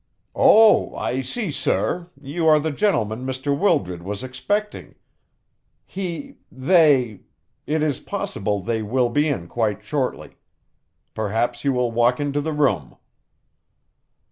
"Oh, I see, sir, you are the gentleman Mr. Wildred was expecting. He they it is possible they will be in quite shortly. Perhaps you will walk into the room."